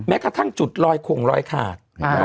แม้กระทั่งจุดรอยควงรอยขาด